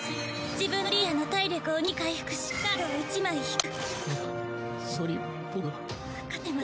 自分のリーダーの体力を２回復しカードを１枚引く。